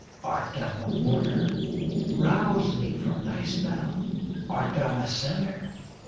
Art thou a mourner? Rouse thee from thy spell ; Art thou a sinner?